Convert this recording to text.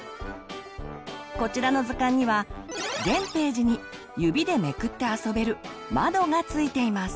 こちらの図鑑には全ページに指でめくって遊べる「まど」がついています。